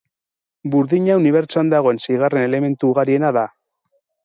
Burdina unibertsoan dagoen seigarren elementu ugariena da.